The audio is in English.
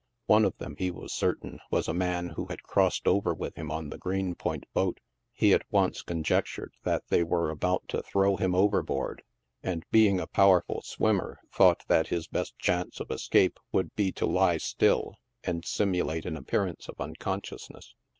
One of them, he was certain, was a man who had crossed over with him on the Green point boat. He at once conjectured that they were about to throw him overboard, and, being a powerful swimmer, thought that his best chance of escape would be to lie still, and simulate an appear ance of unconsciousness.